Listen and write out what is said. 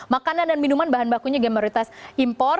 makanan dan minuman bahan bakunya juga mayoritas impor